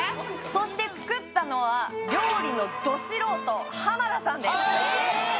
そして作ったのは料理のど素人浜田さんです